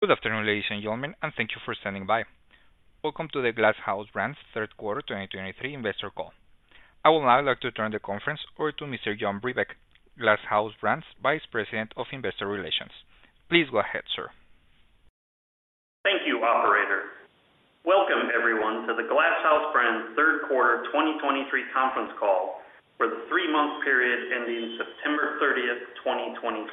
Good afternoon, ladies and gentlemen, and thank you for standing by. Welcome to the Glass House Brands Third Quarter 2023 Investor Call. I would now like to turn the conference over to Mr. John Brebeck, Glass House Brands Vice President of Investor Relations. Please go ahead, sir. Thank you, operator. Welcome everyone, to the Glass House Brands Third Quarter 2023 conference call for the three-month period ending September 30, 2023.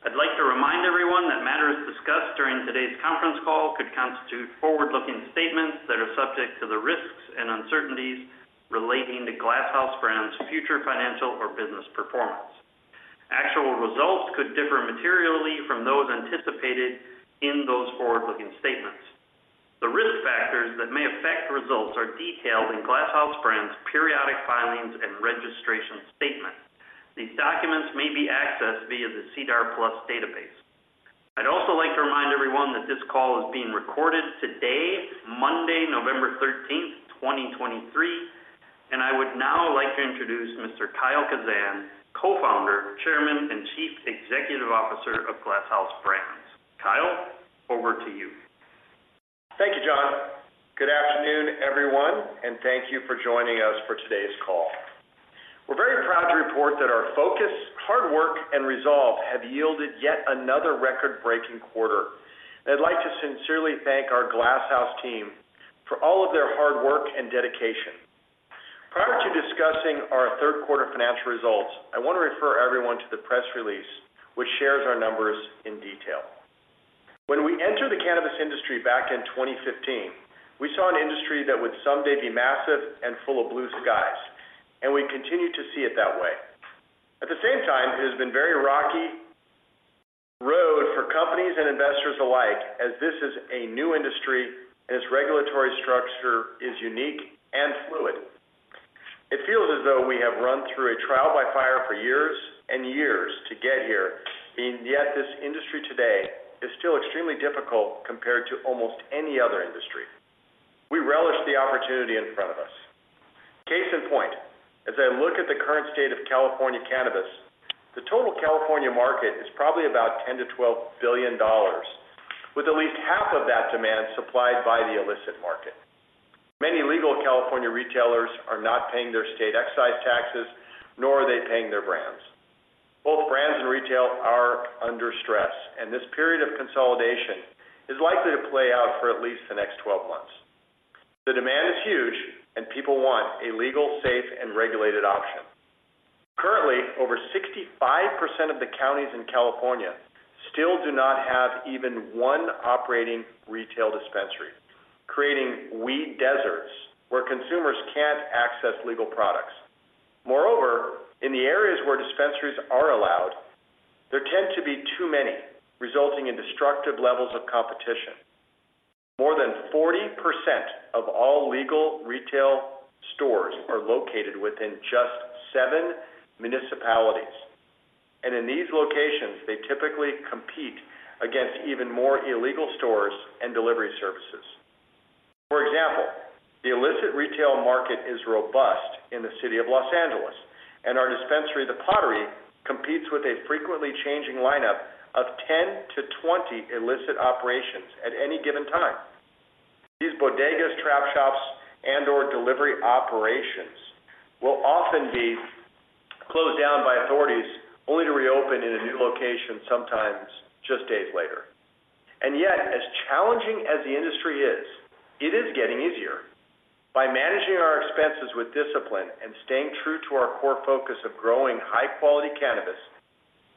I'd like to remind everyone that matters discussed during today's conference call could constitute forward-looking statements that are subject to the risks and uncertainties relating to Glass House Brands future financial or business performance. Actual results could differ materially from those anticipated in those forward-looking statements. The risk factors that may affect results are detailed in Glass House Brands periodic filings and registration statements. These documents may be accessed via the SEDAR+ database. I'd also like to remind everyone that this call is being recorded today, Monday, November 13, 2023, and I would now like to introduce Mr. Kyle Kazan, Co-founder, Chairman, and Chief Executive Officer of Glass House Brands. Kyle, over to you. Thank you, John. Good afternoon, everyone, and thank you for joining us for today's call. We're very proud to report that our focus, hard work, and resolve have yielded yet another record-breaking quarter. I'd like to sincerely thank our Glass House team for all of their hard work and dedication. Prior to discussing our third quarter financial results, I want to refer everyone to the press release, which shares our numbers in detail. When we entered the cannabis industry back in 2015, we saw an industry that would someday be massive and full of blue skies, and we continue to see it that way. At the same time, it has been very rocky road for companies and investors alike, as this is a new industry and its regulatory structure is unique and fluid. It feels as though we have run through a trial by fire for years and years to get here, and yet this industry today is still extremely difficult compared to almost any other industry. We relish the opportunity in front of us. Case in point, as I look at the current state of California cannabis, the total California market is probably about $10 billion-$12 billion, with at least half of that demand supplied by the illicit market. Many legal California retailers are not paying their state excise taxes, nor are they paying their brands. Both brands and retail are under stress, and this period of consolidation is likely to play out for at least the next 12 months. The demand is huge and people want a legal, safe, and regulated option. Currently, over 65% of the counties in California still do not have even one operating retail dispensary, creating weed deserts where consumers can't access legal products. Moreover, in the areas where dispensaries are allowed, there tend to be too many, resulting in destructive levels of competition. More than 40% of all legal retail stores are located within just seven municipalities, and in these locations, they typically compete against even more illegal stores and delivery services. For example, the illicit retail market is robust in the city of Los Angeles, and our dispensary, The Pottery, competes with a frequently changing lineup of 10-20 illicit operations at any given time. These bodegas, trap shops, and/or delivery operations will often be closed down by authorities, only to reopen in a new location, sometimes just days later. And yet, as challenging as the industry is, it is getting easier. By managing our expenses with discipline and staying true to our core focus of growing high-quality cannabis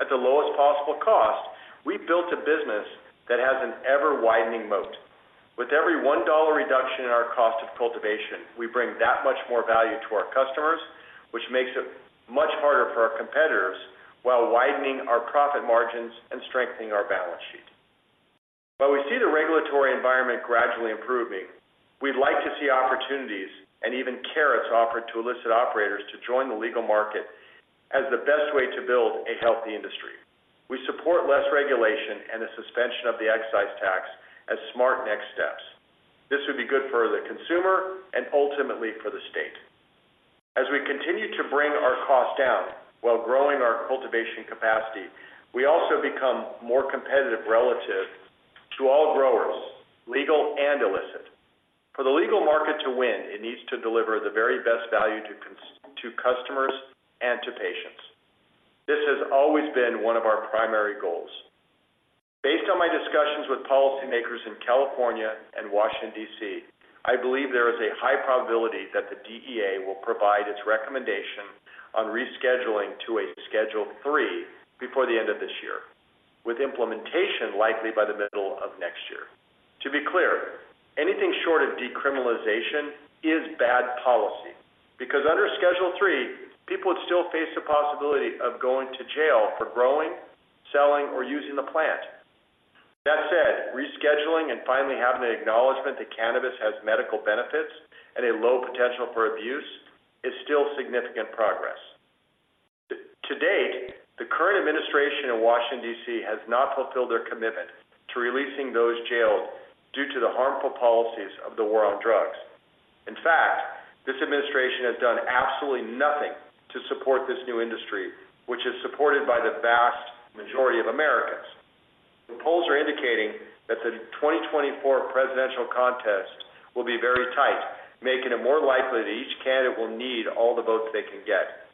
at the lowest possible cost, we built a business that has an ever-widening moat. With every $1 reduction in our cost of cultivation, we bring that much more value to our customers, which makes it much harder for our competitors while widening our profit margins and strengthening our balance sheet. While we see the regulatory environment gradually improving, we'd like to see opportunities and even carrots offered to illicit operators to join the legal market as the best way to build a healthy industry. We support less regulation and a suspension of the excise tax as smart next steps. This would be good for the consumer and ultimately for the state. As we continue to bring our costs down while growing our cultivation capacity, we also become more competitive relative to all growers, legal and illicit. For the legal market to win, it needs to deliver the very best value to customers and to patients. This has always been one of our primary goals. Based on my discussions with policymakers in California and Washington, D.C., I believe there is a high probability that the DEA will provide its recommendation on rescheduling to a Schedule Three before the end of this year, with implementation likely by the middle of next year. To be clear, anything short of decriminalization is bad policy, because under Schedule Three, people would still face the possibility of going to jail for growing, selling, or using the plant. That said, rescheduling and finally having an acknowledgment that cannabis has medical benefits and a low potential for abuse is still significant progress. To date, the current administration in Washington, D.C., has not fulfilled their commitment to releasing those jailed due to the harmful policies of the war on drugs. In fact, this administration has done absolutely nothing to support this new industry, which is supported by the vast majority of Americans. Polls are indicating that the 2024 presidential contest will be very tight, making it more likely that each candidate will need all the votes they can get.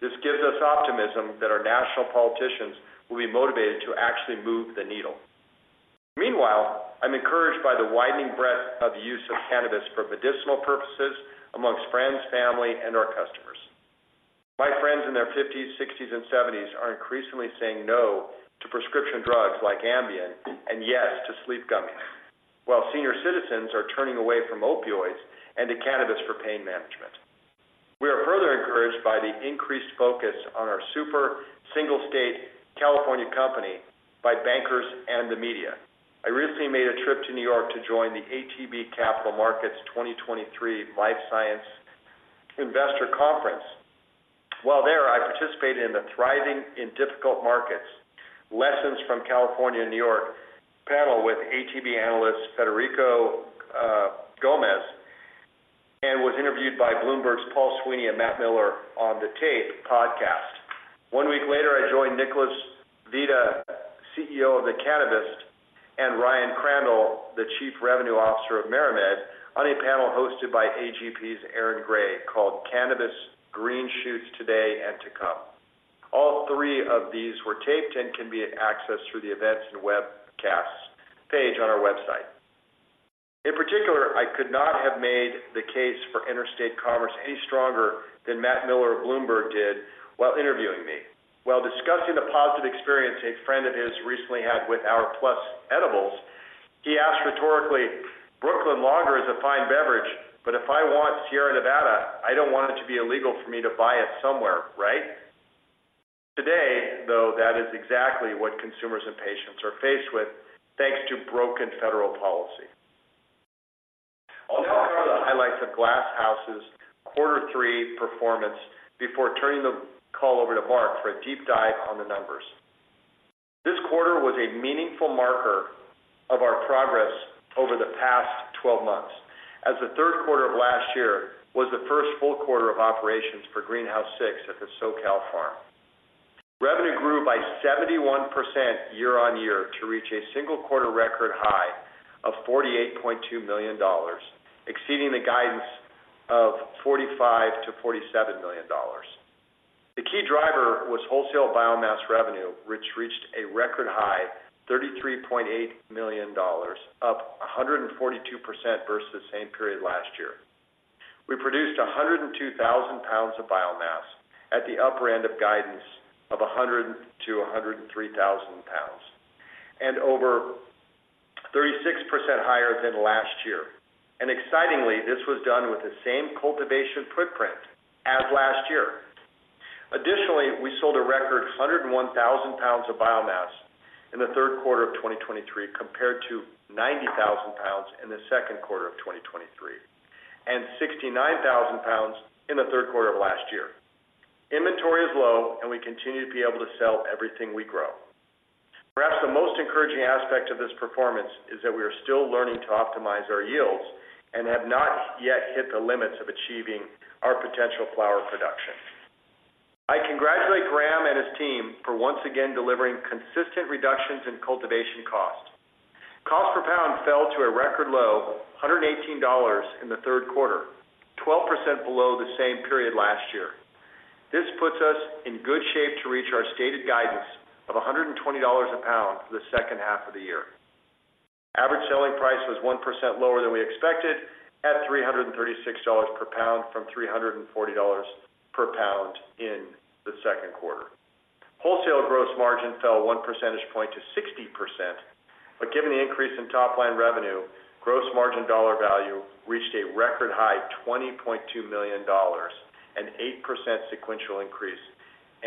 This gives us optimism that our national politicians will be motivated to actually move the needle. Meanwhile, I'm encouraged by the widening breadth of the use of cannabis for medicinal purposes amongst friends, family, and our customers. My friends in their fifties, sixties, and seventies are increasingly saying no to prescription drugs like Ambien, and yes to sleep gummies, while senior citizens are turning away from opioids and to cannabis for pain management. We are further encouraged by the increased focus on our super single-state California company by bankers and the media. I recently made a trip to New York to join the ATB Capital Markets 2023 Life Science Investor Conference. While there, I participated in the Thriving in Difficult Markets: Lessons from California and New York panel with ATB analyst, Frederico Gomez, and was interviewed by Bloomberg's Paul Sweeney and Matt Miller on The Tape podcast. One week later, I joined Nicholas Vita, CEO of The Cannabist, and Ryan Crandall, the Chief Revenue Officer of MariMed, on a panel hosted by AGP's Aaron Gray, called Cannabis Green Shoots Today and to Come. All three of these were taped and can be accessed through the events and webcasts page on our website. In particular, I could not have made the case for interstate commerce any stronger than Matt Miller of Bloomberg did while interviewing me. While discussing the positive experience a friend of his recently had with our PLUS edibles, he asked rhetorically, "Brooklyn Lager is a fine beverage, but if I want Sierra Nevada, I don't want it to be illegal for me to buy it somewhere, right?" Today, though, that is exactly what consumers and patients are faced with, thanks to broken federal policy. I'll now go over the highlights of Glass House's quarter three performance before turning the call over to Mark for a deep dive on the numbers. This quarter was a meaningful marker of our progress over the past 12 months, as the third quarter of last year was the first full quarter of operations for Greenhouse 6 at the SoCal Farm. Revenue grew by 71% year-on-year to reach a single-quarter record high of $48.2 million, exceeding the guidance of $45-$47 million. The key driver was wholesale biomass revenue, which reached a record high, $33.8 million, up 142% versus the same period last year. We produced 102,000 pounds of biomass at the upper end of guidance of 100-103,000 pounds, and over 36% higher than last year. Excitingly, this was done with the same cultivation footprint as last year. Additionally, we sold a record 101,000 pounds of biomass in the third quarter of 2023, compared to 90,000 pounds in the second quarter of 2023, and 69,000 pounds in the third quarter of last year. Inventory is low, and we continue to be able to sell everything we grow. Perhaps the most encouraging aspect of this performance is that we are still learning to optimize our yields and have not yet hit the limits of achieving our potential flower production. I congratulate Graham and his team for once again delivering consistent reductions in cultivation costs. Cost per pound fell to a record low, $118 in the third quarter, 12% below the same period last year. This puts us in good shape to reach our stated guidance of $120 a pound for the second half of the year. Average selling price was 1% lower than we expected, at $336 per pound, from $340 per pound in the second quarter. Wholesale gross margin fell one percentage point to 60%, but given the increase in top-line revenue, gross margin dollar value reached a record high, $20.2 million, an 8% sequential increase,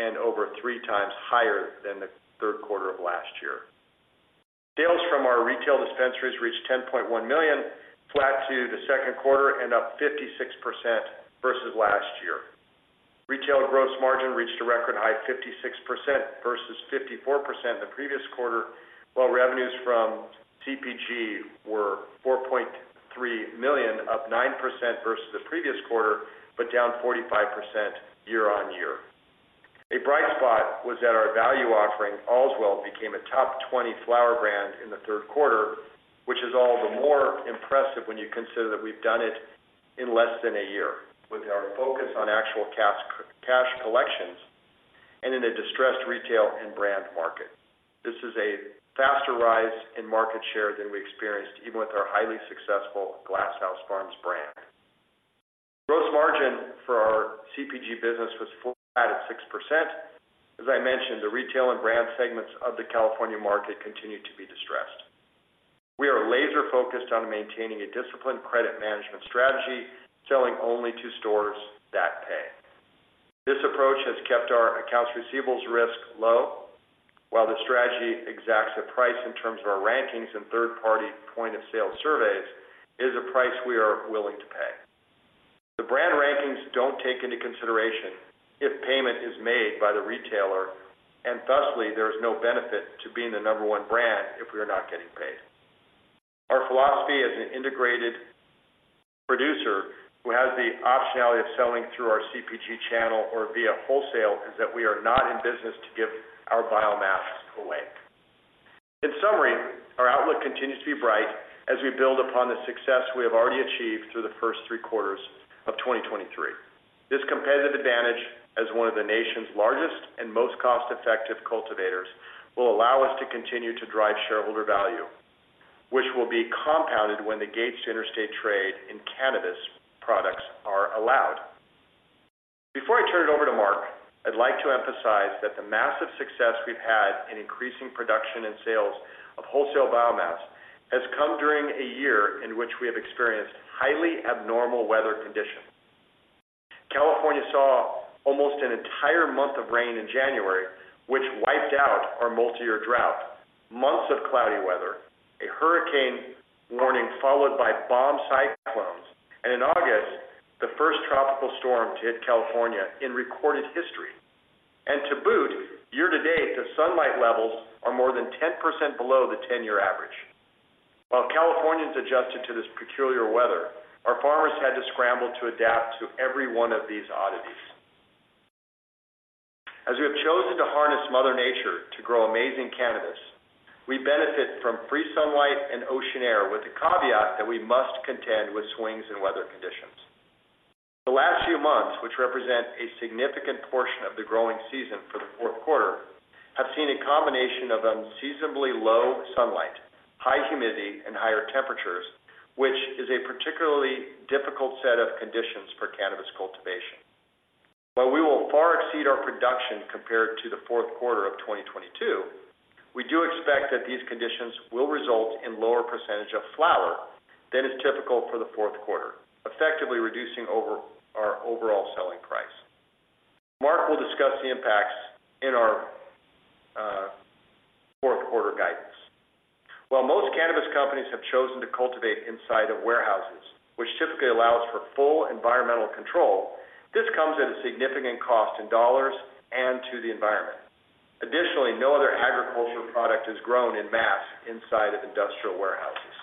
and over three times higher than the third quarter of last year. Sales from our retail dispensaries reached $10.1 million, flat to the second quarter, and up 56% versus last year. Retail gross margin reached a record high of 56% versus 54% the previous quarter, while revenues from CPG were $4.3 million, up 9% versus the previous quarter, but down 45% year-on-year. A bright spot was that our value offering, Allswell, became a top 20 flower brand in the third quarter, which is all the more impressive when you consider that we've done it in less than a year with our focus on actual cash, cash collections and in a distressed retail and brand market. This is a faster rise in market share than we experienced, even with our highly successful Glass House Farms brand. Gross margin for our CPG business was flat at 6%. As I mentioned, the retail and brand segments of the California market continue to be distressed. We are laser-focused on maintaining a disciplined credit management strategy, selling only to stores that pay. This approach has kept our accounts receivables risk low, while the strategy exacts a price in terms of our rankings and third-party point-of-sale surveys, is a price we are willing to pay. The brand rankings don't take into consideration if payment is made by the retailer, and thusly, there is no benefit to being the number one brand if we are not getting paid. Our philosophy as an integrated producer who has the optionality of selling through our CPG channel or via wholesale, is that we are not in business to give our biomass away. In summary, our outlook continues to be bright as we build upon the success we have already achieved through the first three quarters of 2023. This competitive advantage as one of the nation's largest and most cost-effective cultivators will allow us to continue to drive shareholder value, which will be compounded when the gates to interstate trade in cannabis products are allowed. Before I turn it over to Mark, I'd like to emphasize that the massive success we've had in increasing production and sales of wholesale biomass has come during a year in which we have experienced highly abnormal weather conditions. California saw almost an entire month of rain in January, which wiped out our multi-year drought, months of cloudy weather, a hurricane warning followed by bomb cyclones, and in August, the first tropical storm to hit California in recorded history. And to boot, year-to-date, the sunlight levels are more than 10% below the 10-year average. While Californians adjusted to this peculiar weather, our farmers had to scramble to adapt to every one of these oddities. As we have chosen to harness Mother Nature to grow amazing cannabis, we benefit from free sunlight and ocean air, with the caveat that we must contend with swings in weather conditions. The last few months, which represent a significant portion of the growing season for the fourth quarter, have seen a combination of unseasonably low sunlight, high humidity, and higher temperatures, which is a particularly difficult set of conditions for cannabis cultivation. While we will far exceed our production compared to the fourth quarter of 2022, we do expect that these conditions will result in lower percentage of flower than is typical for the fourth quarter, effectively reducing our overall selling price. Mark will discuss the impacts in our fourth quarter guidance. While most cannabis companies have chosen to cultivate inside of warehouses, which typically allows for full environmental control, this comes at a significant cost in dollars and to the environment. Additionally, no other agricultural product is grown en masse inside of industrial warehouses.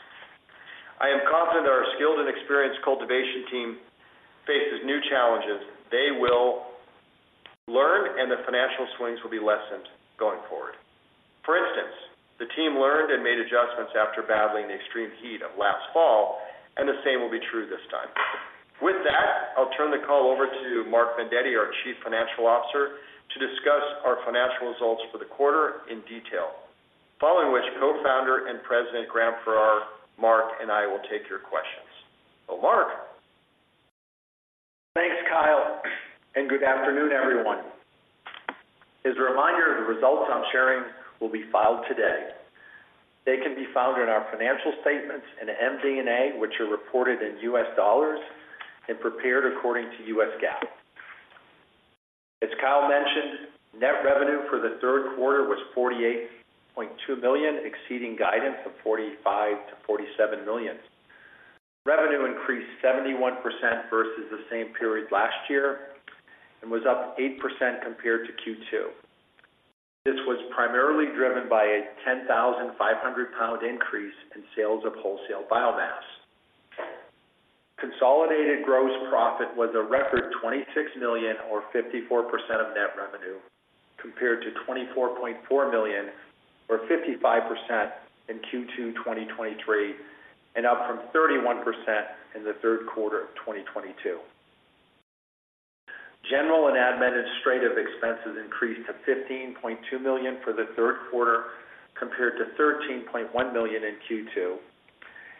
I am confident that our skilled and experienced cultivation team faces new challenges. They will learn, and the financial swings will be lessened going forward. For instance, the team learned and made adjustments after battling the extreme heat of last fall, and the same will be true this time. With that, I'll turn the call over to Mark Vendetti, our Chief Financial Officer, to discuss our financial results for the quarter in detail. Following which, Co-founder and President Graham Farrar, Mark, and I will take your questions. So, Mark? Thanks, Kyle, and good afternoon, everyone. As a reminder, the results I'm sharing will be filed today. They can be found in our financial statements in MD&A, which are reported in U.S. dollars and prepared according to U.S. GAAP. As Kyle mentioned, net revenue for the third quarter was $48.2 million, exceeding guidance of $45-$47 million. Revenue increased 71% versus the same period last year and was up 8% compared to Q2. This was primarily driven by a 10,500-pound increase in sales of wholesale biomass. Consolidated gross profit was a record $26 million or 54% of net revenue, compared to $24.4 million or 55% in Q2 2023, and up from 31% in the third quarter of 2022. General and administrative expenses increased to $15.2 million for the third quarter, compared to $13.1 million in Q2,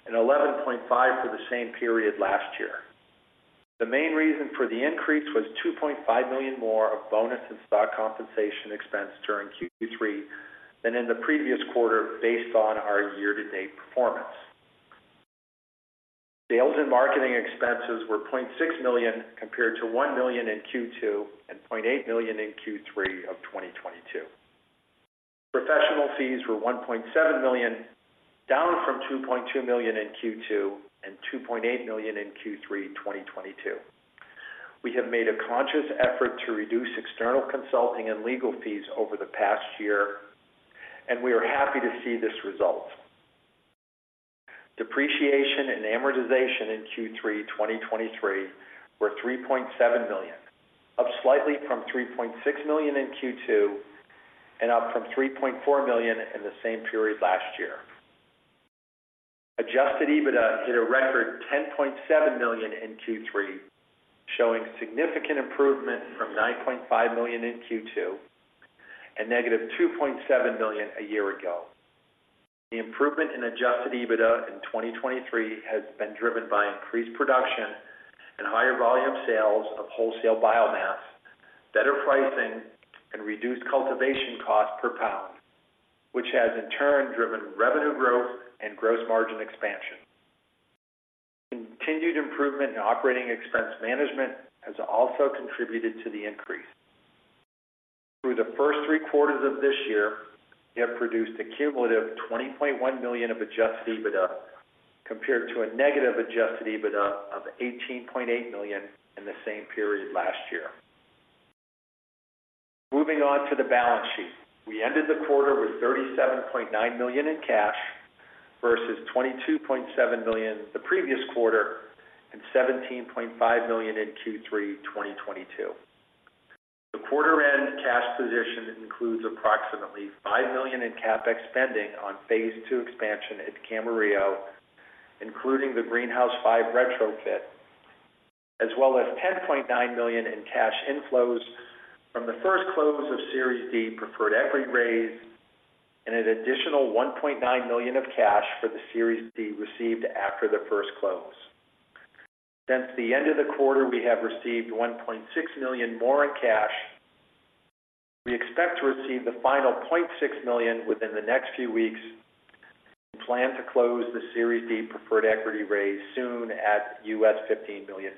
and $11.5 million for the same period last year. The main reason for the increase was $2.5 million more of bonus and stock compensation expense during Q3 than in the previous quarter, based on our year-to-date performance. Sales and marketing expenses were $0.6 million, compared to $1 million in Q2 and $0.8 million in Q3 of 2022. Professional fees were $1.7 million, down from $2.2 million in Q2 and $2.8 million in Q3 2022. We have made a conscious effort to reduce external consulting and legal fees over the past year, and we are happy to see this result. Depreciation and amortization in Q3 2023 were $3.7 million, up slightly from $3.6 million in Q2, and up from $3.4 million in the same period last year. Adjusted EBITDA hit a record $10.7 million in Q3, showing significant improvement from $9.5 million in Q2 and -$2.7 million a year ago. The improvement in adjusted EBITDA in 2023 has been driven by increased production and higher volume sales of wholesale biomass, better pricing, and reduced cultivation cost per pound, which has in turn driven revenue growth and gross margin expansion. Continued improvement in operating expense management has also contributed to the increase. Through the first three quarters of this year, we have produced a cumulative $20.1 million of adjusted EBITDA, compared to a negative adjusted EBITDA of $18.8 million in the same period last year. Moving on to the balance sheet. We ended the quarter with $37.9 million in cash, versus $22.7 million the previous quarter, and $17.5 million in Q3 2022. The quarter end cash position includes approximately $5 million in CapEx spending on phase II expansion at Camarillo, including the Greenhouse 5 retrofit, as well as $10.9 million in cash inflows from the first close of Series D preferred equity raise, and an additional $1.9 million of cash for the Series D received after the first close. Since the end of the quarter, we have received $1.6 million more in cash. We expect to receive the final $0.6 million within the next few weeks. We plan to close the Series D Preferred Equity raise soon at $15 million.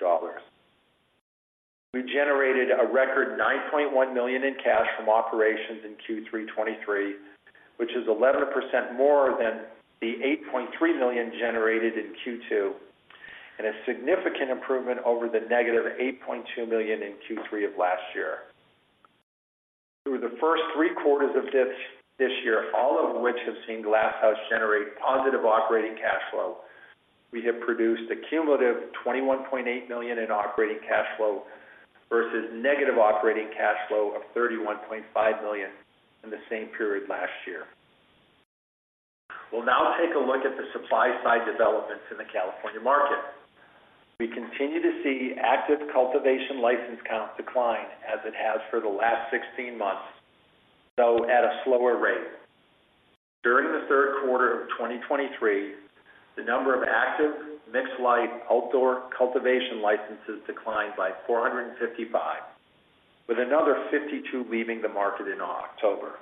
We generated a record $9.1 million in cash from operations in Q3 2023, which is 11% more than the $8.3 million generated in Q2, and a significant improvement over the -$8.2 million in Q3 of last year. Through the first three quarters of this year, all of which have seen Glass House generate positive operating cash flow, we have produced a cumulative $21.8 million in operating cash flow, versus negative operating cash flow of $31.5 million in the same period last year. We'll now take a look at the supply side developments in the California market. We continue to see active cultivation license counts decline, as it has for the last 16 months, though at a slower rate. During the third quarter of 2023, the number of active mixed-light outdoor cultivation licenses declined by 455, with another 52 leaving the market in October.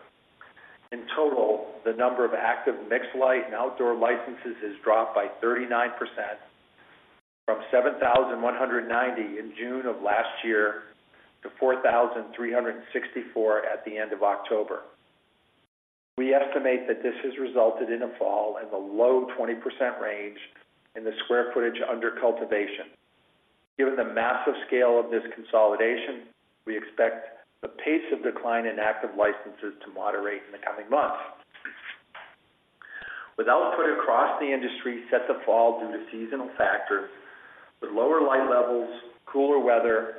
In total, the number of active mixed-light and outdoor licenses has dropped by 39%, from 7,190 in June of last year to 4,364 at the end of October. We estimate that this has resulted in a fall in the low 20% range in the square footage under cultivation. Given the massive scale of this consolidation, we expect the pace of decline in active licenses to moderate in the coming months. With output across the industry set to fall due to seasonal factors, with lower light levels, cooler weather,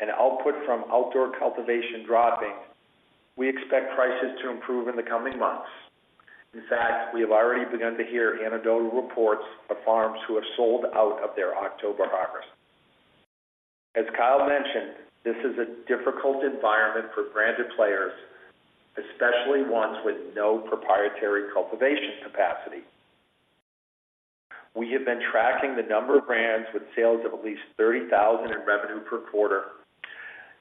and output from outdoor cultivation dropping, we expect prices to improve in the coming months. In fact, we have already begun to hear anecdotal reports of farms who have sold out of their October harvest. As Kyle mentioned, this is a difficult environment for branded players, especially ones with no proprietary cultivation capacity. We have been tracking the number of brands with sales of at least $30,000 in revenue per quarter,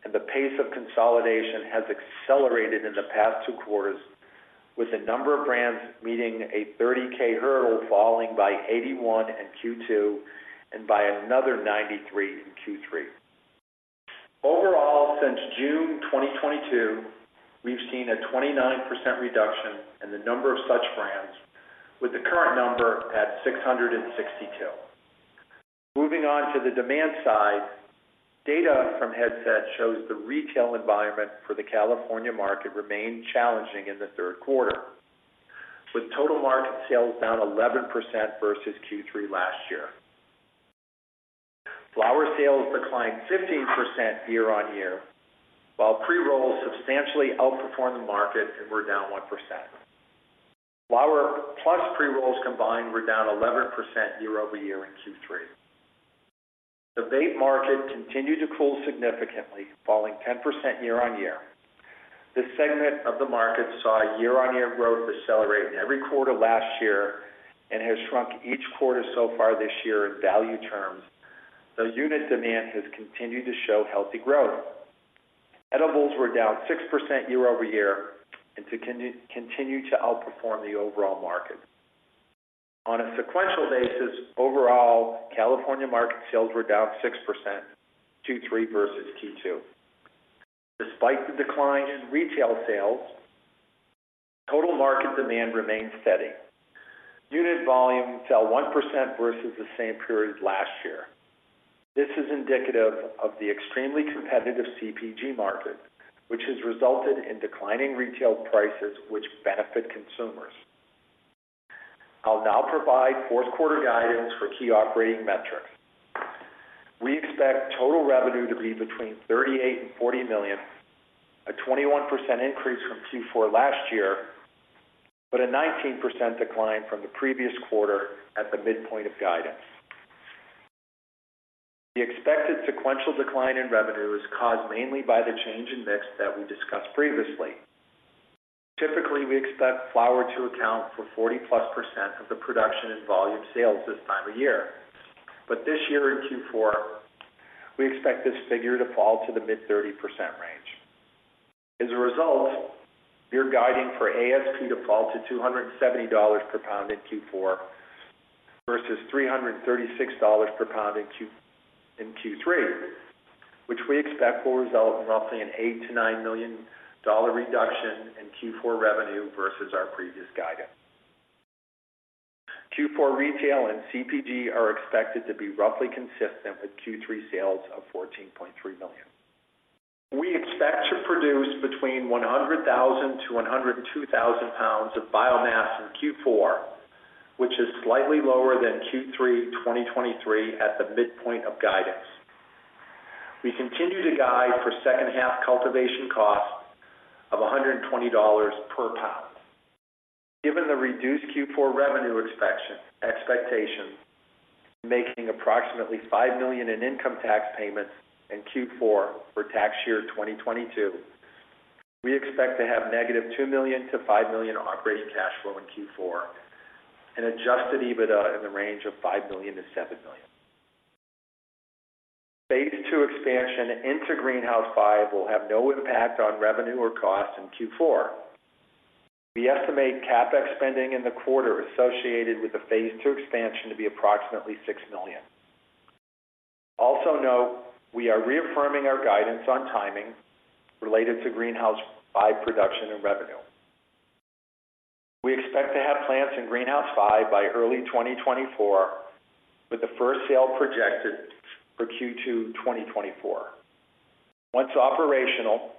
and the pace of consolidation has accelerated in the past two quarters, with the number of brands meeting a $30K hurdle, falling by 81 in Q2 and by another 93 in Q3. Overall, since June 2022, we've seen a 29% reduction in the number of such brands, with the current number at 662. Moving on to the demand side, data from Headset shows the retail environment for the California market remained challenging in the third quarter, with total market sales down 11% versus Q3 last year. Flower sales declined 15% year-over-year, while pre-rolls substantially outperformed the market and were down 1%. Flower plus pre-rolls combined were down 11% year-over-year in Q3. The vape market continued to cool, significantly, falling 10% year-over-year. This segment of the market saw year-over-year growth decelerate in every quarter last year and has shrunk each quarter so far this year in value terms, though unit demand has continued to show healthy growth. Edibles were down 6% year-over-year and continue to outperform the overall market. On a sequential basis, overall, California market sales were down 6%, Q3 versus Q2. Despite the decline in retail sales, total market demand remained steady. Unit volume fell 1% versus the same period last year. This is indicative of the extremely competitive CPG market, which has resulted in declining retail prices, which benefit consumers. I'll now provide fourth quarter guidance for key operating metrics. We expect total revenue to be between $38 million and $40 million, a 21% increase from Q4 last year, but a 19% decline from the previous quarter at the midpoint of guidance. The expected sequential decline in revenue is caused mainly by the change in mix that we discussed previously. Typically, we expect flower to account for 40+% of the production and volume sales this time of year. But this year, in Q4, we expect this figure to fall to the mid-30% range. As a result, we're guiding for ASP to fall to $270 per pound in Q4, versus $336 per pound in Q3, which we expect will result in roughly a $8 million-$9 million reduction in Q4 revenue versus our previous guidance. Q4 retail and CPG are expected to be roughly consistent with Q3 sales of $14.3 million. We expect to produce between 100,000-102,000 pounds of biomass in Q4, which is slightly lower than Q3 2023 at the midpoint of guidance. We continue to guide for second half cultivation costs of $120 per pound. Given the reduced Q4 revenue expectation, making approximately $5 million in income tax payments in Q4 for tax year 2022, we expect to have -$2 million to $5 million operating cash flow in Q4, and adjusted EBITDA in the range of $5 million-$7 million. Phase II expansion into Greenhouse 5 will have no impact on revenue or costs in Q4. We estimate CapEx spending in the quarter associated with the phase II expansion to be approximately $6 million. Also note, we are reaffirming our guidance on timing related to Greenhouse 5 production and revenue. We expect to have plants in Greenhouse 5 by early 2024, with the first sale projected for Q2 2024. Once operational,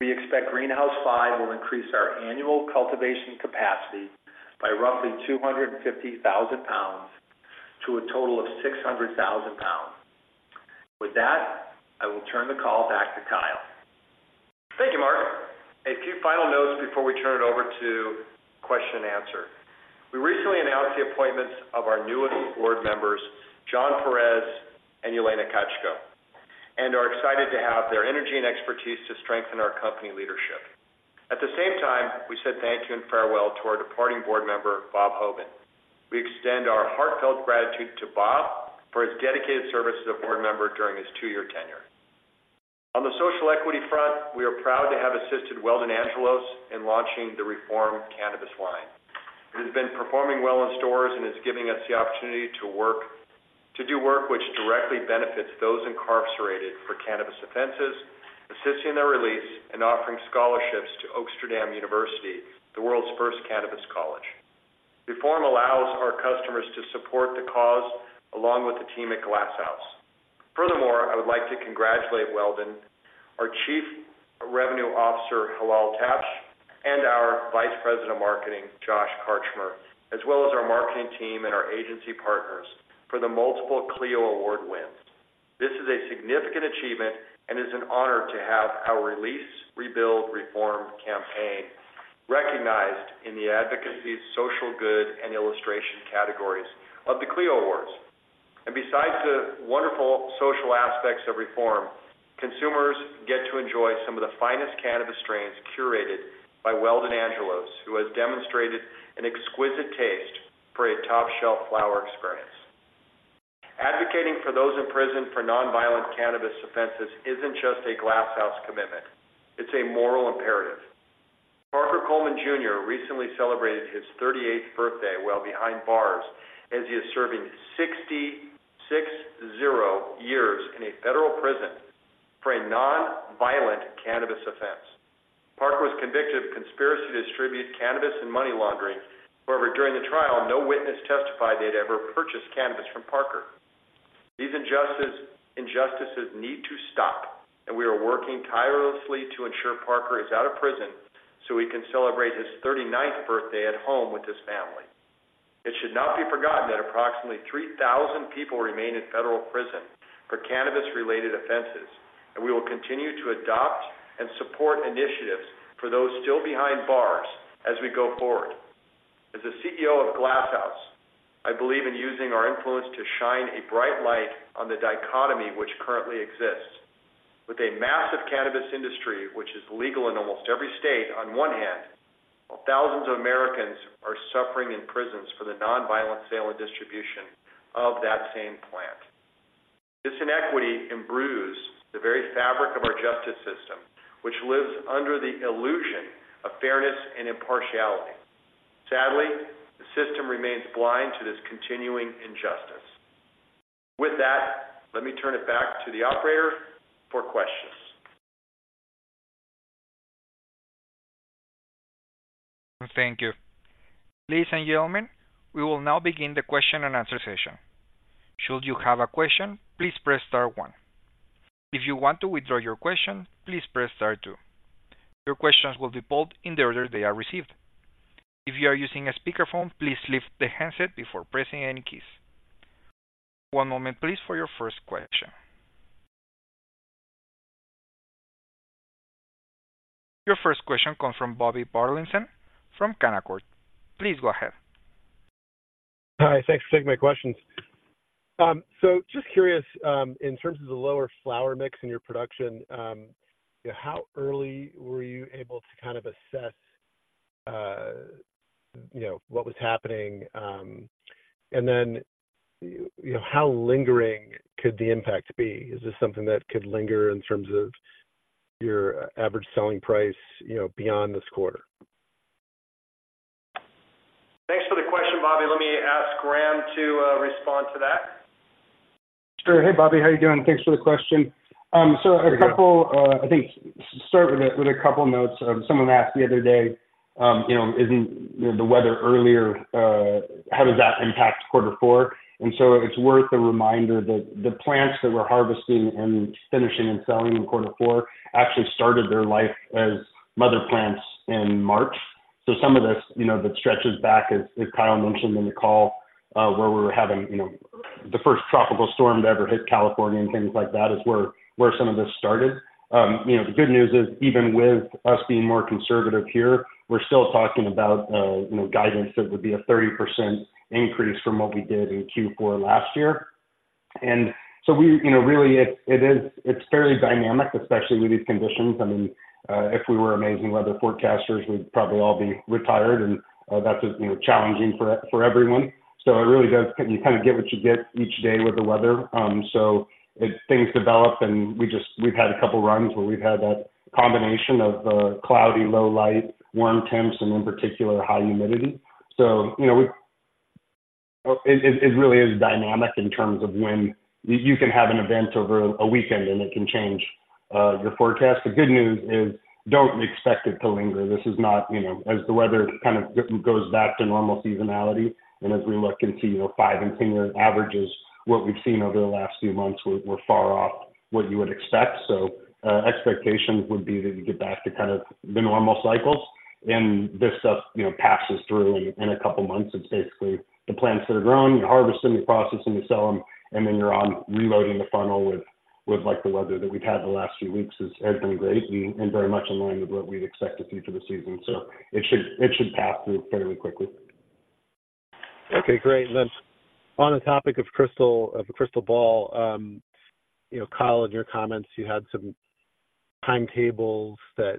we expect Greenhouse 5 will increase our annual cultivation capacity by roughly 250,000 pounds to a total of 600,000 pounds. With that, I will turn the call back to Kyle. Thank you, Mark. A few final notes before we turn it over to question and answer. We recently announced the appointments of our newest board members, John Perez and Yelena Katchko, and are excited to have their energy and expertise to strengthen our company leadership. At the same time, we said thank you and farewell to our departing board member, Bob Hoban. We extend our heartfelt gratitude to Bob for his dedicated service as a board member during his two-year tenure. On the social equity front, we are proud to have assisted Weldon Angelos in launching the REEFORM cannabis line. It has been performing well in stores and is giving us the opportunity to do work which directly benefits those incarcerated for cannabis offenses, assisting their release, and offering scholarships to Oaksterdam University, the world's first cannabis college. REEFORM allows our customers to support the cause, along with the team at Glass House. Furthermore, I would like to congratulate Weldon, our Chief Revenue Officer, Hilal Tash, and our Vice President of Marketing, Josh Karchmer, as well as our marketing team and our agency partners for the multiple Clio Award wins. This is a significant achievement and is an honor to have our Release, Rebuild, REEFORM campaign recognized in the advocacy, social good, and illustration categories of the Clio Awards. Besides the wonderful social aspects of REEFORM, consumers get to enjoy some of the finest cannabis strains curated by Weldon Angelos, who has demonstrated an exquisite taste for a top-shelf flower experience. Advocating for those imprisoned for nonviolent cannabis offenses isn't just a Glass House commitment, it's a moral imperative. Parker Coleman Jr. Recently celebrated his 38th birthday while behind bars, as he is serving 66 years in a federal prison for a nonviolent cannabis offense. Parker was convicted of conspiracy to distribute cannabis and money laundering. However, during the trial, no witness testified they'd ever purchased cannabis from Parker. These injustices need to stop, and we are working tirelessly to ensure Parker is out of prison so he can celebrate his 39th birthday at home with his family. It should not be forgotten that approximately 3,000 people remain in federal prison for cannabis-related offenses, and we will continue to adopt and support initiatives for those still behind bars as we go forward. As the CEO of Glass House, I believe in using our influence to shine a bright light on the dichotomy which currently exists. With a massive cannabis industry, which is legal in almost every state on one hand, while thousands of Americans are suffering in prisons for the nonviolent sale and distribution of that same plant. This inequity imbues the very fabric of our justice system, which lives under the illusion of fairness and impartiality. Sadly, the system remains blind to this continuing injustice. With that, let me turn it back to the operator for questions. Thank you. Ladies and gentlemen, we will now begin the question-and-answer session. Should you have a question, please press star one. If you want to withdraw your question, please press star two. Your questions will be pulled in the order they are received. If you are using a speakerphone, please lift the handset before pressing any keys. One moment, please, for your first question. Your first question comes from Bobby Burleson from Canaccord. Please go ahead. Hi, thanks for taking my questions. So just curious, in terms of the lower flower mix in your production, how early were you able to kind of assess, you know, what was happening, and then, you know, how lingering could the impact be? Is this something that could linger in terms of your average selling price, you know, beyond this quarter? Thanks for the question, Bobby. Let me ask Graham to respond to that. Sure. Hey, Bobby, how are you doing? Thanks for the question. So a couple, I think, start with a couple of notes. Someone asked the other day, you know, isn't the weather earlier, how does that impact quarter four? So it's worth a reminder that the plants that we're harvesting and finishing and selling in quarter four actually started their life as mother plants in March. So some of this, you know, that stretches back, as Kyle mentioned in the call, where we were having, you know, the first tropical storm to ever hit California and things like that, is where some of this started. You know, the good news is, even with us being more conservative here, we're still talking about, you know, guidance that would be a 30% increase from what we did in Q4 last year. And so we, you know, really, it is, it's fairly dynamic, especially with these conditions. I mean, if we were amazing weather forecasters, we'd probably all be retired, and that's, you know, challenging for everyone. So it really does, you kind of get what you get each day with the weather. So as things develop, and we just, we've had a couple of runs where we've had that combination of cloudy, low light, warm temps, and in particular, high humidity. So, you know, it really is dynamic in terms of when you can have an event over a weekend, and it can change your forecast. The good news is, don't expect it to linger. This is not, you know, as the weather kind of goes back to normal seasonality, and as we look into, you know, five and 10-year averages, what we've seen over the last few months were far off what you would expect. So, expectations would be that you get back to kind of the normal cycles, and this stuff, you know, passes through in a couple of months. It's basically the plants that are growing, you harvest them, you process them, you sell them, and then you're on reloading the funnel with, like, the weather that we've had the last few weeks has been great and very much in line with what we'd expect to see for the season. So it should pass through fairly quickly. Okay, great. Then on the topic of crystal, of the crystal ball, you know, Kyle, in your comments, you had some timetables that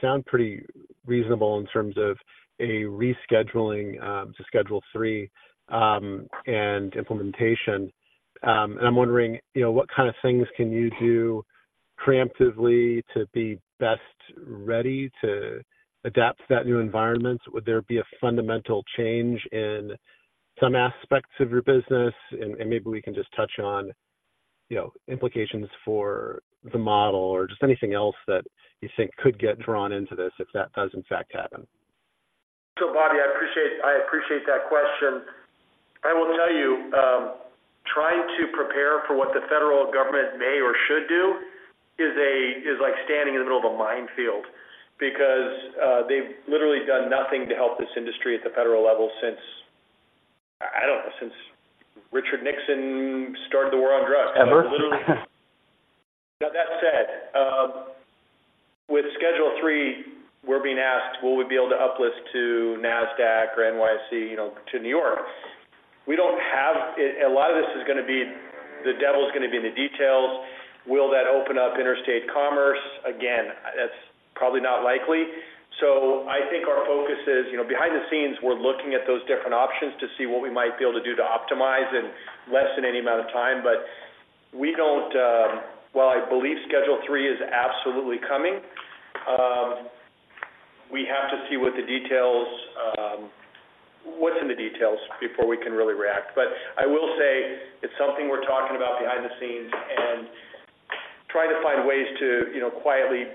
sound pretty reasonable in terms of a rescheduling to Schedule III and implementation. And I'm wondering, you know, what kind of things can you do preemptively to be best ready to adapt to that new environment? Would there be a fundamental change in some aspects of your business? And maybe we can just touch on, you know, implications for the model or just anything else that you think could get drawn into this if that does, in fact, happen. So, Bobby, I appreciate, I appreciate that question. I will tell you, trying to prepare for what the federal government may or should do is like standing in the middle of a minefield because they've literally done nothing to help this industry at the federal level since, I don't know, since Richard Nixon started the war on drugs. Ever? Now, that said, with Schedule three, we're being asked, will we be able to uplist to Nasdaq or NYC, you know, to New York? We don't have, a lot of this is going to be, the devil is going to be in the details. Will that open up interstate commerce? Again, that's probably not likely. So I think our focus is, you know, behind the scenes, we're looking at those different options to see what we might be able to do to optimize in less than any amount of time. But we don't. While I believe Schedule three is absolutely coming, we have to see what the details, what's in the details before we can really react. But I will say it's something we're talking about behind the scenes and trying to find ways to, you know, quietly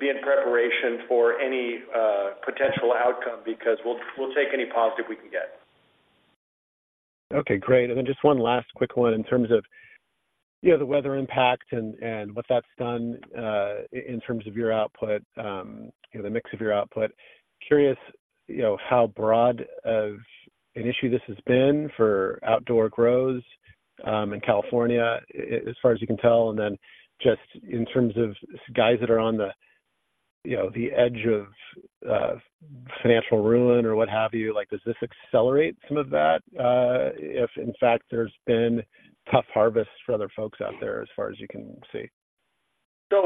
be in preparation for any potential outcome, because we'll, we'll take any positive we can get. Okay, great. And then just one last quick one in terms of, you know, the weather impact and, and what that's done, in terms of your output, you know, the mix of your output. Curious, you know, how broad of an issue this has been for outdoor grows, in California, as far as you can tell, and then just in terms of guys that are on the, you know, the edge of, financial ruin or what have you, like, does this accelerate some of that? If in fact, there's been tough harvests for other folks out there as far as you can see. So,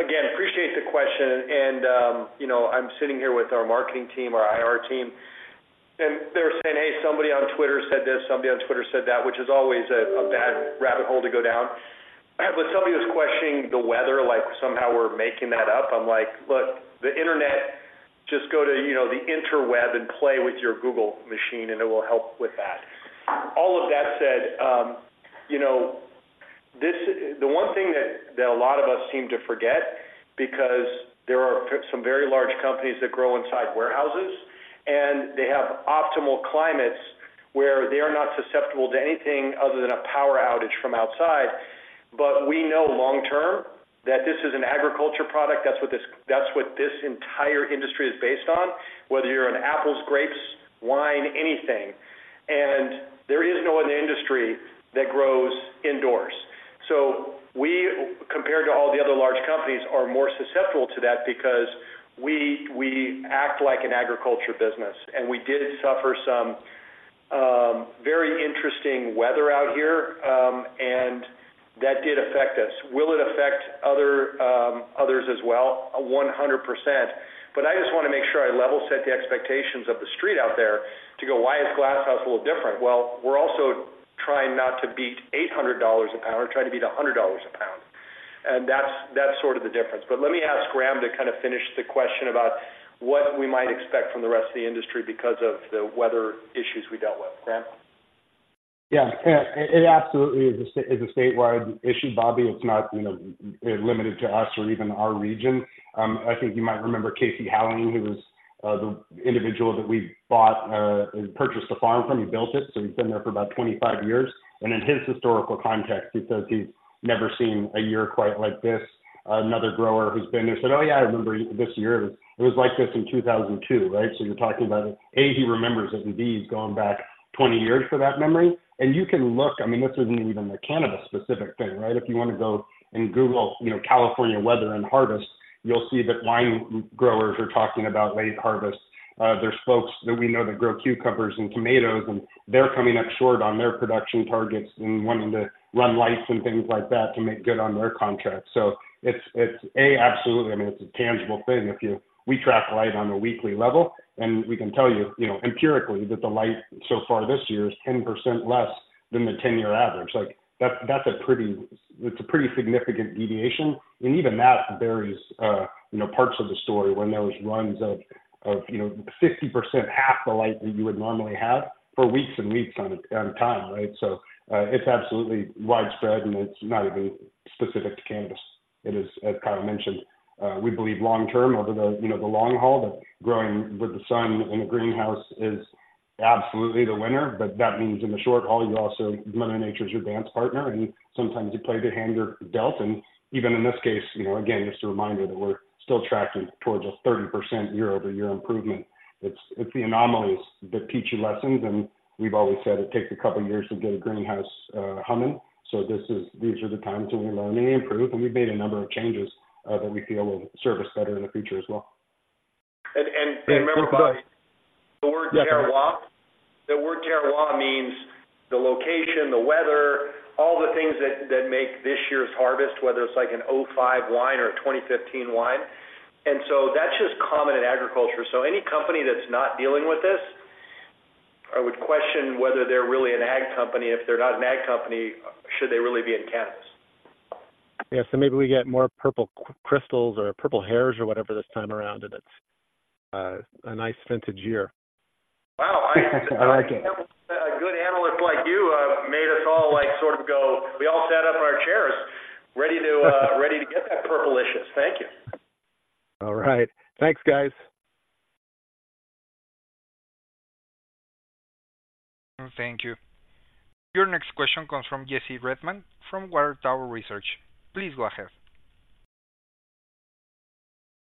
again, appreciate the question, and, you know, I'm sitting here with our marketing team, our IR team, and they're saying, "Hey, somebody on Twitter said this, somebody on Twitter said that," which is always a bad rabbit hole to go down. But somebody was questioning the weather, like somehow we're making that up. I'm like, look, the internet, just go to, you know, the interweb and play with your Google machine, and it will help with that. All of that said, you know, this, the one thing that a lot of us seem to forget, because there are some very large companies that grow inside warehouses, and they have optimal climates where they are not susceptible to anything other than a power outage from outside. But we know long term, that this is an agriculture product. That's what this, that's what this entire industry is based on, whether you're an apples, grapes, wine, anything, and there is no other industry that grows indoors. So we, compared to all the other large companies, are more susceptible to that because we, we act like an agriculture business, and we did suffer some very interesting weather out here, and that did affect us. Will it affect other others as well? 100%. But I just want to make sure I level set the expectations of the street out there to go, "Why is Glass House a little different?" Well, we're also trying not to beat $800 a pound, we're trying to beat $100 a pound. And that's, that's sort of the difference. But let me ask Graham to kind of finish the question about what we might expect from the rest of the industry because of the weather issues we dealt with. Graham? Yeah. It absolutely is a statewide issue, Bobby. It's not, you know, limited to us or even our region. I think you might remember Casey Houweling, who was the individual that we purchased the farm from. He built it, so he's been there for about 25 years. And in his historical context, he says he's never seen a year quite like this. Another grower who's been there said, "Oh, yeah, I remember this year. It was like this in 2002." Right? So you're talking about, A, he remembers it, and B, he's going back 20 years for that memory. And you can look, I mean, this isn't even a cannabis-specific thing, right? If you want to go and Google, you know, California weather and harvest, you'll see that wine growers are talking about late harvest. There's folks that we know that grow cucumbers and tomatoes, and they're coming up short on their production targets and wanting to run lights and things like that to make good on their contracts. So it's absolutely, I mean, it's a tangible thing. If you, we track light on a weekly level, and we can tell you, you know, empirically, that the light so far this year is 10% less than the ten-year average. Like, that's, that's a pretty, it's a pretty significant deviation. And even that varies, you know, parts of the story when there was runs of, of, you know, 60%, half the light that you would normally have for weeks and weeks on time, right? So, it's absolutely widespread, and it's not even specific to cannabis. It is, as Kyle mentioned, we believe long term, over the, you know, the long haul, that growing with the sun in a greenhouse is absolutely the winner. But that means in the short haul, you also, Mother Nature is your dance partner, and sometimes you play the hand you're dealt. And even in this case, you know, again, just a reminder that we're still tracking towards a 30% year-over-year improvement. It's the anomalies that teach you lessons, and we've always said it takes a couple of years to get a greenhouse humming. So this is, these are the times when we learn and improve, and we've made a number of changes that we feel will serve us better in the future as well. Remember, Bobby, the word terroir. Yeah. The word terroir means the location, the weather, all the things that make this year's harvest, whether it's like an 2005 wine or a 2015 wine. So that's just common in agriculture. Any company that's not dealing with this, I would question whether they're really an ag company. If they're not an ag company, should they really be in cannabis? Yeah. So maybe we get more purple crystals or purple hairs or whatever this time around, and it's a nice vintage year. Wow, I, I like it. A good analyst like you, made us all, like, sort of go. We all sat up in our chairs, ready to, ready to get that purplicious. Thank you. All right. Thanks, guys. Thank you. Your next question comes from Jesse Redmond from Water Tower Research. Please go ahead.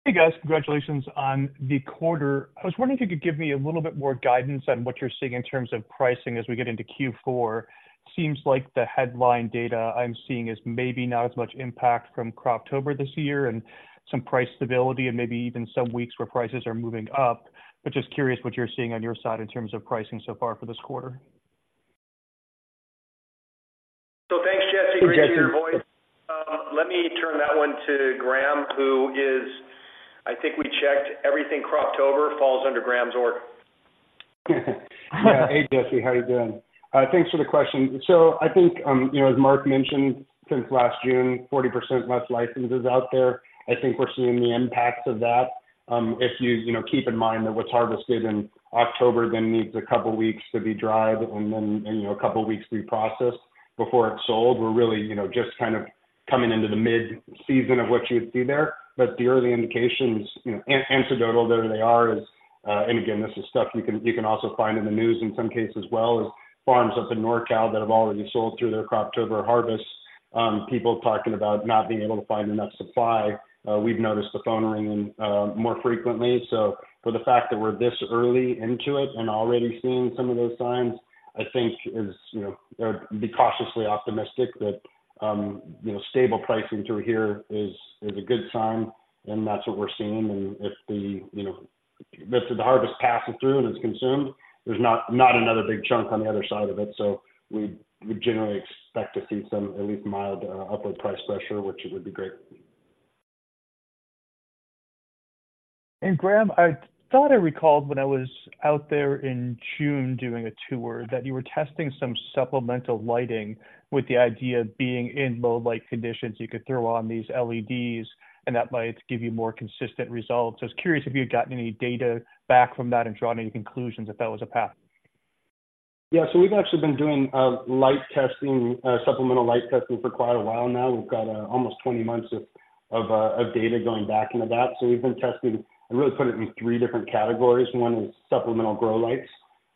Hey, guys. Congratulations on the quarter. I was wondering if you could give me a little bit more guidance on what you're seeing in terms of pricing as we get into Q4. Seems like the headline data I'm seeing is maybe not as much impact from Croctober this year and some price stability and maybe even some weeks where prices are moving up. But just curious what you're seeing on your side in terms of pricing so far for this quarter. Thanks, Jesse. Hey, Jesse. Great to hear your voice. Let me turn that one to Graham, who is, I think we checked everything Croctober falls under Graham's org. Yeah. Hey, Jesse, how are you doing? Thanks for the question. So I think, you know, as Mark mentioned, since last June, 40% less licenses out there. I think we're seeing the impacts of that. If you, you know, keep in mind that what's harvested in October then needs a couple weeks to be dried and then, you know, a couple weeks to be processed before it's sold. We're really, you know, just kind of coming into the mid-season of what you would see there. But the early indications, you know, anecdotal, there they are, is, and again, this is stuff you can, you can also find in the news in some cases as well, is farms up in NorCal that have already sold through their Croctober harvest. People talking about not being able to find enough supply. We've noticed the phone ringing more frequently. So for the fact that we're this early into it and already seeing some of those signs, I think is, you know, or be cautiously optimistic that, you know, stable pricing through here is a good sign, and that's what we're seeing. And if the, you know, if the harvest passes through and it's consumed, there's not another big chunk on the other side of it. So we would generally expect to see some at least mild upward price pressure, which would be great. Graham, I thought I recalled when I was out there in June doing a tour, that you were testing some supplemental lighting with the idea of being in low light conditions. You could throw on these LEDs, and that might give you more consistent results. I was curious if you had gotten any data back from that and drawn any conclusions if that was a path? Yeah, so we've actually been doing light testing, supplemental light testing for quite a while now. We've got almost 20 months of data going back into that. So we've been testing. I'd really put it in three different categories. One is supplemental grow lights.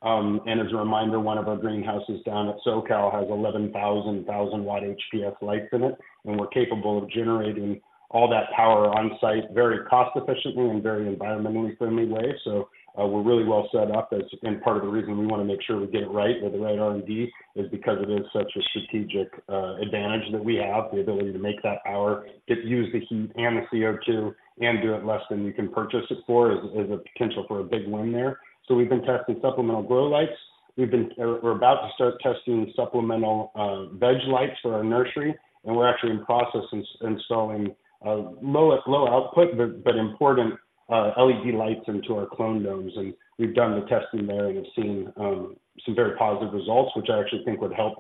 And as a reminder, one of our greenhouses down at SoCal has 11,000 1,000-watt HPS lights in it, and we're capable of generating all that power on-site, very cost efficiently and very environmentally friendly way. So we're really well set up. That's, again, part of the reason we want to make sure we get it right with the right R&D is because it is such a strategic advantage that we have, the ability to make that power, get to use the heat and the CO2, and do it less than you can purchase it for, is a potential for a big win there. So we've been testing supplemental grow lights. We're about to start testing supplemental veg lights for our nursery, and we're actually in process installing low output, but important LED lights into our clone domes. And we've done the testing there and have seen some very positive results, which I actually think would help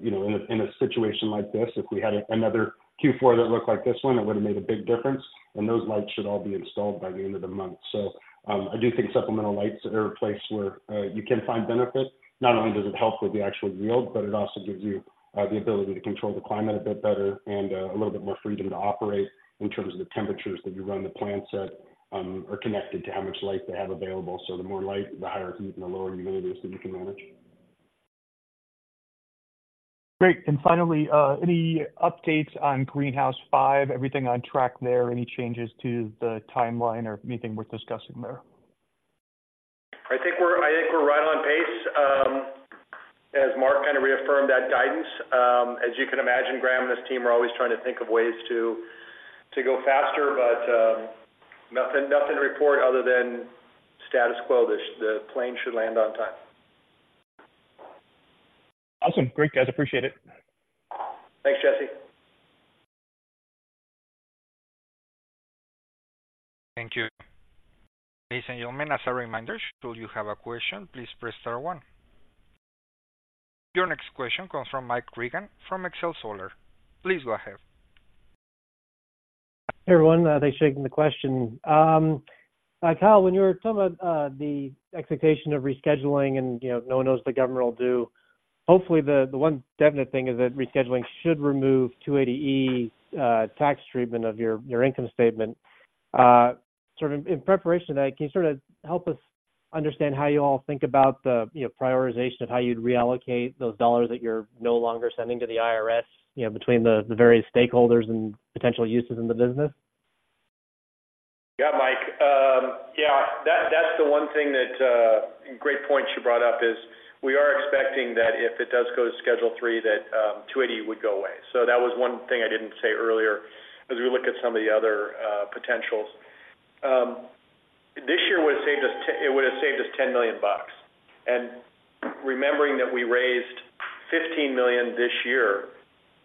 you know in a situation like this. If we had another Q4 that looked like this one, it would have made a big difference, and those lights should all be installed by the end of the month. So, I do think supplemental lights are a place where you can find benefit. Not only does it help with the actual yield, but it also gives you the ability to control the climate a bit better and a little bit more freedom to operate in terms of the temperatures that you run the plants at, are connected to how much light they have available. So the more light, the higher heat and the lower humidity is that you can manage. Great. And finally, any updates on Greenhouse 5? Everything on track there, any changes to the timeline or anything worth discussing there? I think we're right on pace, as Mark kind of reaffirmed that guidance. As you can imagine, Graham and his team are always trying to think of ways to go faster, but nothing to report other than status quo. The plane should land on time. Awesome. Great, guys. Appreciate it. Thanks, Jesse. Thank you. Ladies and gentlemen, as a reminder, should you have a question, please press star one. Your next question comes from Mike Regan from Excelsior Equities. Please go ahead. Hey, everyone, thanks for taking the question. Kyle, when you were talking about the expectation of rescheduling and, you know, no one knows what the government will do. Hopefully, the one definite thing is that rescheduling should remove 280E tax treatment of your income statement. Sort of in preparation to that, can you sort of help us understand how you all think about the, you know, prioritization of how you'd reallocate those dollars that you're no longer sending to the IRS, you know, between the various stakeholders and potential uses in the business? Yeah, Mike. Yeah, that, that's the one thing that, great point you brought up, is we are expecting that if it does go to Schedule III, that, 280E would go away. So that was one thing I didn't say earlier, as we look at some of the other, potentials. This year would have saved us it would have saved us $10 million. And remembering that we raised $15 million this year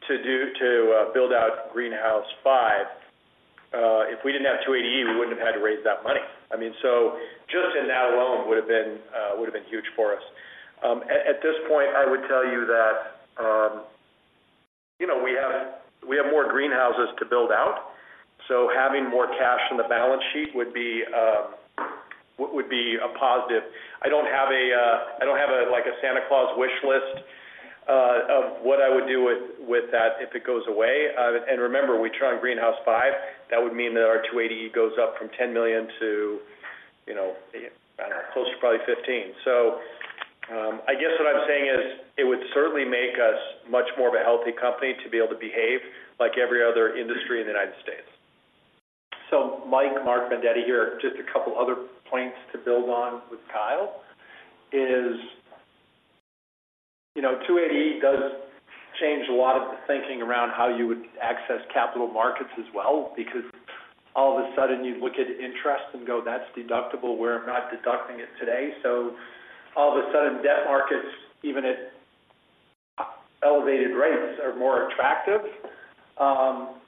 to do, to, build out Greenhouse 5, if we didn't have 280E, we wouldn't have had to raise that money. I mean, so just in that alone would have been, would have been huge for us. At this point, I would tell you that, you know, we have more greenhouses to build out, so having more cash on the balance sheet would be a positive. I don't have a, like a Santa Claus wish list of what I would do with that if it goes away. And remember, we turn on Greenhouse 5, that would mean that our 280E goes up from $10 million to, you know, I don't know, close to probably $15 million. So, I guess what I'm saying is, it would certainly make us much more of a healthy company to be able to behave like every other industry in the United States. So Mike, Mark Vendetti here. Just a couple of other points to build on with Kyle, you know, 280E does change a lot of the thinking around how you would access capital markets as well, because all of a sudden, you look at interest and go, that's deductible, where I'm not deducting it today. So all of a sudden, debt markets, even at elevated rates, are more attractive.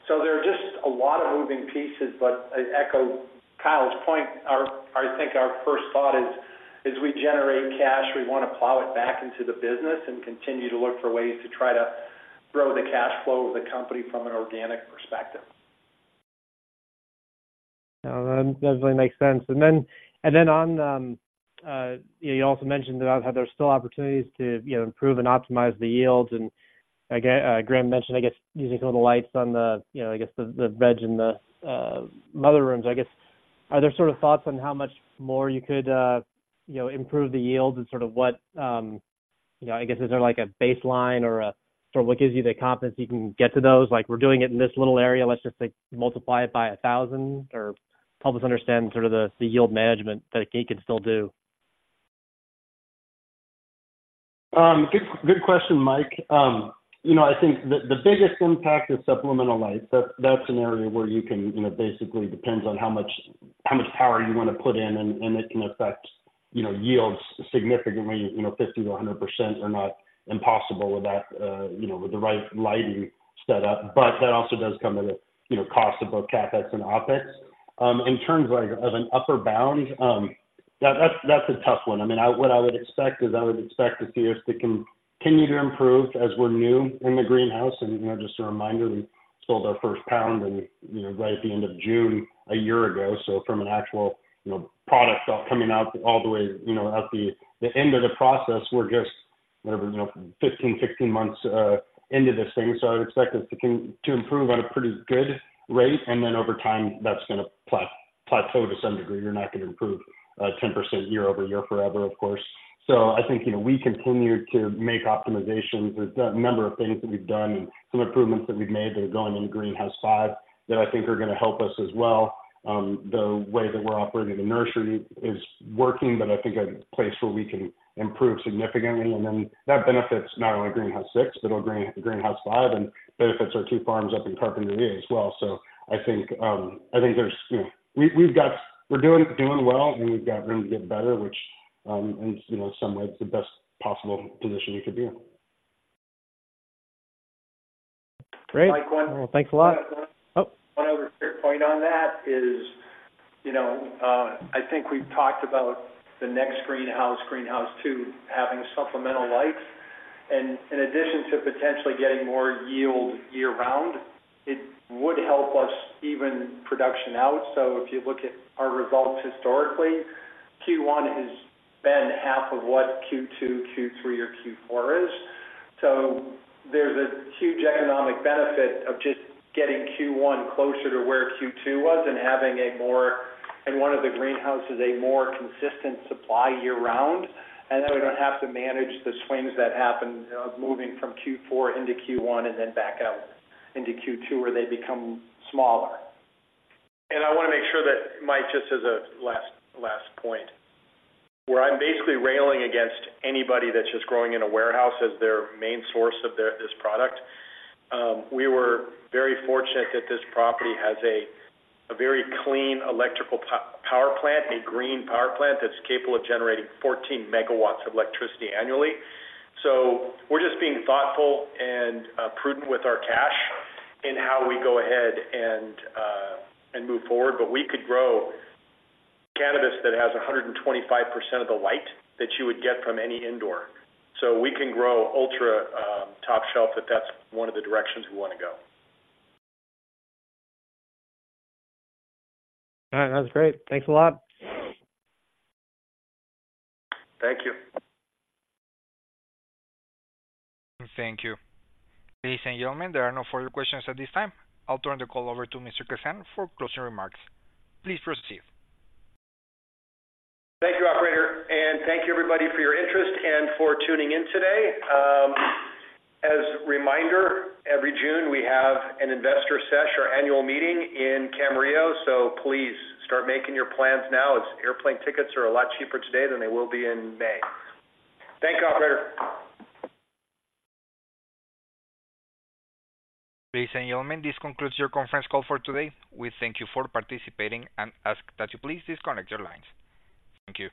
So there are just a lot of moving pieces, but I echo Kyle's point. I think our first thought is, as we generate cash, we want to plow it back into the business and continue to look for ways to try to grow the cash flow of the company from an organic perspective. No, that definitely makes sense. And then on, you also mentioned about how there's still opportunities to, you know, improve and optimize the yields. And again, Graham mentioned, I guess, using some of the lights on the, you know, I guess, the veg and the mother rooms. I guess, are there sort of thoughts on how much more you could, you know, improve the yields and sort of what, you know, I guess, is there like a baseline or a sort of what gives you the confidence you can get to those? Like, we're doing it in this little area, let's just say multiply it by a thousand, or help us understand sort of the yield management that Gate can still do. Good question, Mike. You know, I think the biggest impact is supplemental lights. That's an area where you can, you know, basically depends on how much power you want to put in, and it can affect yields significantly, you know, 50%-100% are not impossible with that, you know, with the right lighting set up. But that also does come at a cost of both CapEx and OpEx. In terms of an upper bound, that's a tough one. I mean, what I would expect is, I would expect to see us continue to improve as we're new in the greenhouse. You know, just a reminder, we sold our first pound, you know, right at the end of June a year ago. So from an actual, you know, product coming out all the way, you know, at the end of the process, we're just, whatever, you know, 15, 16 months into this thing. So I would expect us to continue to improve on a pretty good rate, and then over time, that's gonna plateau to some degree. You're not going to improve 10% year over year forever, of course. So I think, you know, we continue to make optimizations. There's a number of things that we've done and some improvements that we've made that are going in Greenhouse 5, that I think are going to help us as well. The way that we're operating the nursery is working, but I think a place where we can improve significantly, and then that benefits not only Greenhouse 6, but it'll Greenhouse 5 and benefits our two farms up in Carpinteria as well. So I think, I think there's, you know, we, we've got, we're doing well, and we've got room to get better, which, in, you know, some ways, the best possible position we could be in. Great. Well, thanks a lot. Oh. One other clear point on that is, you know, I think we've talked about the next greenhouse, Greenhouse 2, having supplemental lights. And in addition to potentially getting more yield year-round, it would help us even production out. So if you look at our results historically, Q1 has been half of what Q2, Q3, or Q4 is. So there's a huge economic benefit of just getting Q1 closer to where Q2 was and having a more, in one of the greenhouses, a more consistent supply year-round. And then we don't have to manage the swings that happen, moving from Q4 into Q1, and then back out into Q2, where they become smaller. And I want to make sure that, Mike, just as a last, last point, where I'm basically railing against anybody that's just growing in a warehouse as their main source of their, this product. We were very fortunate that this property has a very clean electrical power plant, a green power plant that's capable of generating 14 megawatts of electricity annually. So we're just being thoughtful and prudent with our cash in how we go ahead and move forward. But we could grow cannabis that has 125% of the light that you would get from any indoor. So we can grow ultra top shelf, if that's one of the directions we want to go. All right. That's great. Thanks a lot. Thank you. Thank you. Ladies and gentlemen, there are no further questions at this time. I'll turn the call over to Mr. Kazan for closing remarks. Please proceed. Thank you, operator, and thank you, everybody, for your interest and for tuning in today. As a reminder, every June, we have an Investor Sesh, our annual meeting in Camarillo, so please start making your plans now, as airplane tickets are a lot cheaper today than they will be in May. Thanks, operator. Ladies and gentlemen, this concludes your conference call for today. We thank you for participating and ask that you please disconnect your lines. Thank you.